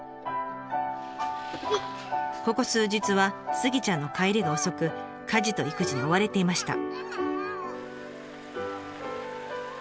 ここ数日はスギちゃんの帰りが遅く家事と育児に追われていました。